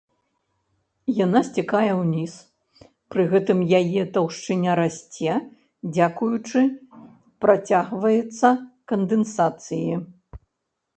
Яна сцякае ўніз, пры гэтым яе таўшчыня расце дзякуючы працягваецца кандэнсацыі.